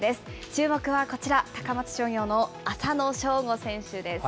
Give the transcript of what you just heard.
注目はこちら、高松商業の浅野翔吾選手です。